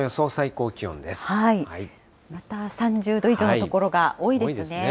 また、３０度以上の所が多い多いですね。